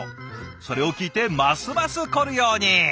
それを聞いてますます凝るように。